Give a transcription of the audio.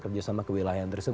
kerjasama kewilayahan tersebut